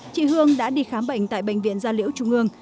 chị hương đã đi khám bệnh tại bệnh viện gia liễu trung ương